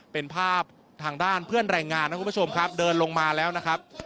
เป็นภาพทางด้านเพื่อนแรงงานนะคุณผู้ชมครับเดินลงมาแล้วนะครับ